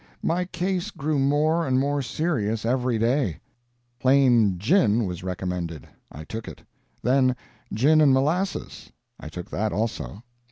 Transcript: My case grew more and more serious every day. A Plain gin was recommended; I took it. Then gin and molasses; I took that also.